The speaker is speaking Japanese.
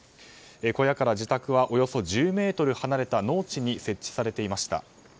小屋から自宅はおよそ１０ｍ離れた農地に設置されていました。